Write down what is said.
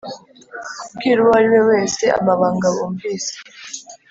kubwira uwo ari we wese amabanga bumvise